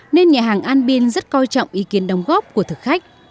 nên nhà hàng an biên rất coi trọng ý kiến đồng góp của thực khách